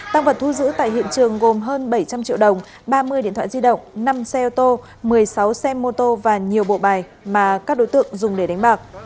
tăng vật thu giữ tại hiện trường gồm hơn bảy trăm linh triệu đồng ba mươi điện thoại di động năm xe ô tô một mươi sáu xe mô tô và nhiều bộ bài mà các đối tượng dùng để đánh bạc